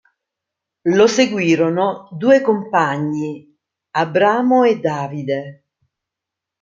Lo seguirono due compagni, Abramo e Davide.